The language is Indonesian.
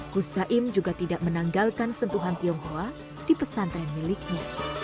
gus saim juga tidak menanggalkan sentuhan tionghoa di pesantren miliknya